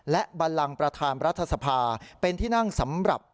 และบันลังประธานรัฐสภาเป็นที่นั่งสำหรับ